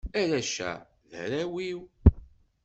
Arrac-a, d arraw-iw.